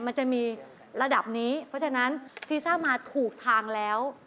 มันจะมีระดับนี้เพราะฉะนั้นซีซ่ามาถูกทางแล้ว